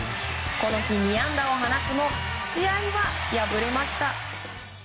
この日、２安打を放つも試合は敗れました。